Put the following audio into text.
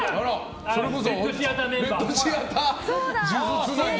「レッドシアター」メンバー。